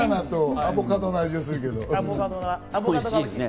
アボカドの味がする。